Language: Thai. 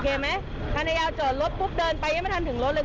โอเคไหมธนายาวเจอรถปุ๊บเดินไปยังไม่ทำถึงรถเลย